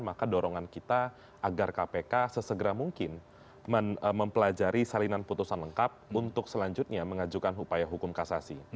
maka dorongan kita agar kpk sesegera mungkin mempelajari salinan putusan lengkap untuk selanjutnya mengajukan upaya hukum kasasi